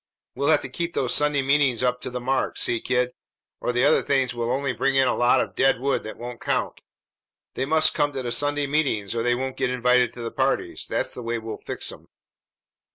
We'll have to keep those Sunday meetings up to the mark see, kid? or the other things will only bring in a lot of dead wood that won't count. They must come to the Sunday meetings, or they don't get invited to the parties. That's the way we'll fix 'em."